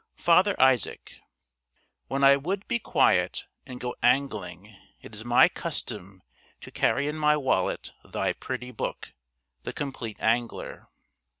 Father Isaak, When I would be quiet and go angling it is my custom to carry in my wallet thy pretty book, 'The Compleat Angler.'